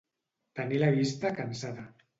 Tenir la vista cansada.